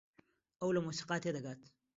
ئەو لە مۆسیقا تێدەگات.